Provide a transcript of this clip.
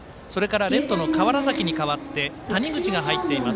レフトの川原崎に代わって谷口が入っています。